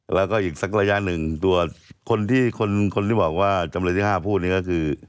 แล้วก็อีกสักระยะหนึ่งตัวคนที่คนที่บอกว่าจำเลยที่๕พูดนี้ก็คือ